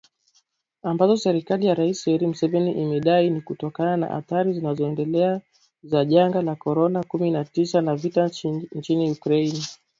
Ambazo serikali ya Rais Yoweri Museveni imedai ni kutokana na athari zinazoendelea za janga la korona kumi na tisa na vita nchini Ukraine